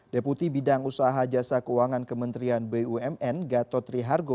deputi bidang usaha jasa keuangan kementerian bumn gatotri hargo